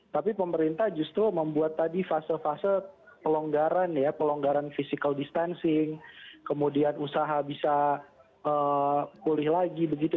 tapi pemerintah justru membuat tadi fase fase pelonggaran ya pelonggaran physical distancing kemudian usaha bisa pulih lagi begitu